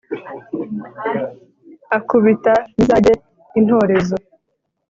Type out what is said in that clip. akubita mizage intorezo,